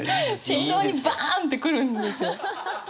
心臓にバーンって来るんですよ。